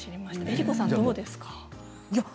江里子さんはどうですか？